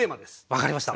分かりました。